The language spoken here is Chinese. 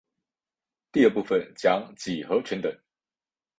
第二部份讲几何全等。